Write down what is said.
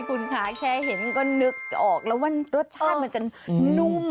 คุณคะแค่เห็นก็นึกออกแล้วว่ารสชาติมันจะนุ่ม